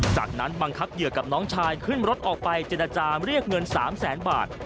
จากนั้นบังคับเหยื่อกับน้องชายขึ้นรถออกไปเจรจาเรียกเงิน๓แสนบาท